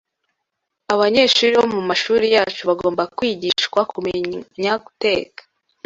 Abanyeshuri bo mu mashuri yacu bagomba kwigishwa kumenya guteka